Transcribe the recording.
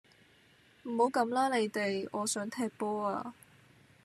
唔好咁啦你哋，我想踢波呀